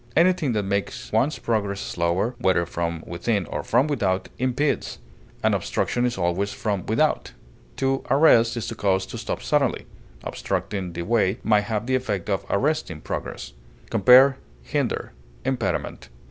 Anything that makes one's progress slower, whether from within or from without, impedes; an obstruction is always from without. To arrest is to cause to stop suddenly; obstructing the way may have the effect of arresting progress. Compare HINDER; IMPEDIMENT.